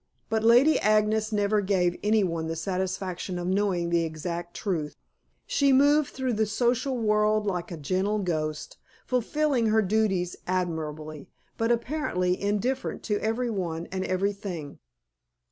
But Lady Agnes never gave any one the satisfaction of knowing the exact truth. She moved through the social world like a gentle ghost, fulfilling her duties admirably, but apparently indifferent to every one and everything.